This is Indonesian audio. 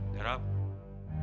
kalau si rom bisa